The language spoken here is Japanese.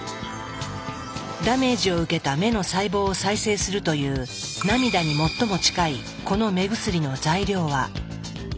ダメージを受けた目の細胞を再生するという涙に最も近いこの目薬の材料は。